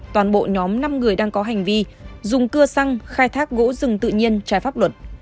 toàn bộ nhóm năm người đang có hành vi dùng cưa xăng khai thác gỗ rừng tự nhiên trái pháp luật